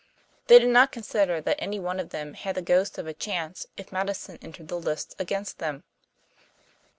They did not consider that any one of them had the ghost of a chance if Madison entered the lists against them.